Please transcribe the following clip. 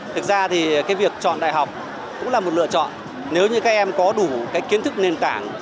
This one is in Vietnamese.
thực ra thì cái việc chọn đại học cũng là một lựa chọn nếu như các em có đủ cái kiến thức nền tảng